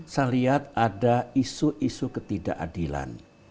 saya lihat ada isu isu ketidakadilan